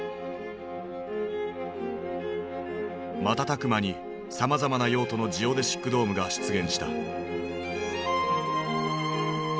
瞬く間にさまざまな用途のジオデシックドームが出現した。